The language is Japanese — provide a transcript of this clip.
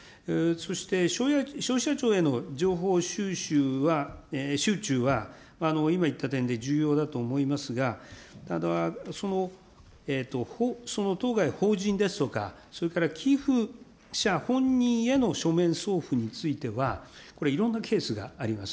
そして消費者庁への情報収集は、集中は、今言った点で重要だと思いますが、ただ、当該法人ですとか、それから寄付者本人への書面送付については、これ、いろんなケースがあります。